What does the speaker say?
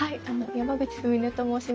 山口純音と申します。